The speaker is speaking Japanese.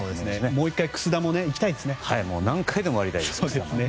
もう１回、くす玉いきたいですよね。